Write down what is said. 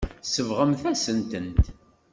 Tsebɣemt-asen-tent.